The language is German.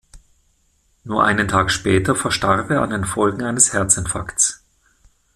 Nur einen Tag später verstarb er an den Folgen eines Herzinfarkts.